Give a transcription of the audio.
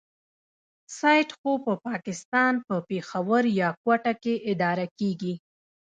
سایټ خو په پاکستان په پېښور يا کوټه کې اداره کېږي.